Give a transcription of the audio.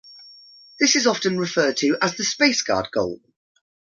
This is often referred to as the Spaceguard Goal.